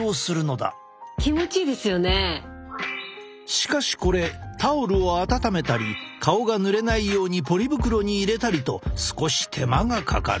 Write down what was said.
しかしこれタオルを温めたり顔がぬれないようにポリ袋に入れたりと少し手間がかかる。